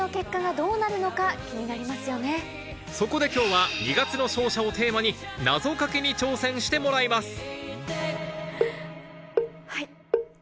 そこで今日は『二月の勝者』をテーマに謎掛けに挑戦してもらいますはい。